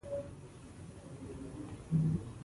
د یوه مضمون تر حوصلې وتلی کار دی.